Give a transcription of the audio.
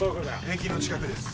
駅の近くです。